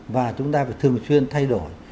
và chúng ta phải thường xuyên thay đổi